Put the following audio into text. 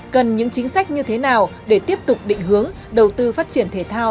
cần những chính sách như thế nào để tiếp tục định hướng đầu tư phát triển thể thao